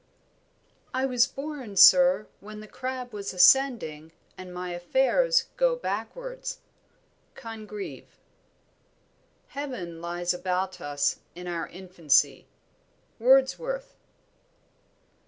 "I was born, sir, when the crab was ascending and my affairs go backwards." CONGREVE. "Heaven lies about us in our infancy." WORDSWORTH.